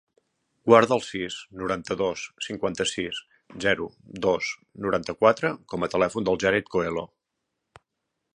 Guarda el sis, noranta-dos, cinquanta-sis, zero, dos, noranta-quatre com a telèfon del Jared Coelho.